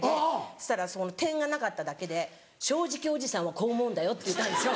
そしたらそこの点がなかっただけで「正直おじさんはこう思うんだよ」って言ったんですよ。